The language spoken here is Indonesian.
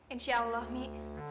insya allah mi